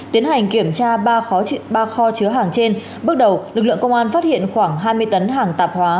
tiến hành kiểm tra ba kho chứa hàng trên bước đầu lực lượng công an phát hiện khoảng hai mươi tấn hàng tạp hóa